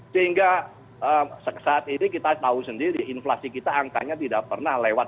sehingga saat ini kita tahu sendiri inflasi kita angkanya tidak pernah lewat